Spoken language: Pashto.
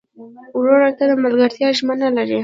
ورور ته د ملګرتیا ژمنه لرې.